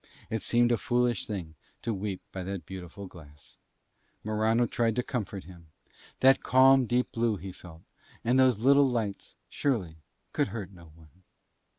It seemed a foolish thing to weep by that beautiful glass. Morano tried to comfort him. That calm, deep blue, he felt, and those little lights, surely, could hurt no one.